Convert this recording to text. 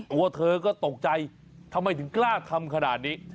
ตัวเธอก็ตกใจทำไมถึงกล้าทำขนาดนี้